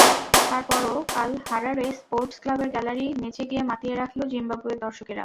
তার পরও কাল হারারে স্পোর্টস ক্লাবের গ্যালারি নেচে-গেয়ে মাতিয়ে রাখল জিম্বাবুয়ের দর্শকেরা।